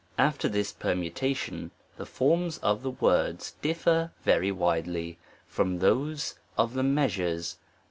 After this permutation, the forms of the words differ very widely, from those of the measures